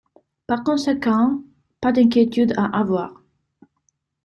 Par conséquent, pas d’inquiétude à avoir.